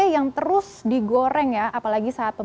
yang terus digoreng ya